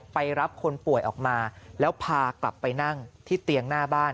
ไปรับคนป่วยออกมาแล้วพากลับไปนั่งที่เตียงหน้าบ้าน